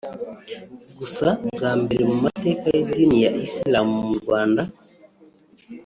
Gusa bwa mbere mu mateka y’Idini ya Islam mu Rwanda